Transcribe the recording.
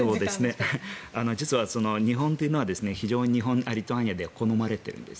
実は日本というのは非常にリトアニアでは好まれているんです。